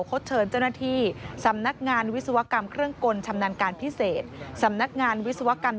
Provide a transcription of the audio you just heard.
คดเชิญเจ้าหน้าที่สำนักงานวิศวกรรมเครื่องกลชำนาญการพิเศษ